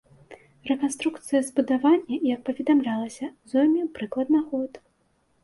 Рэканструкцыя збудавання, як паведамлялася, зойме прыкладна год.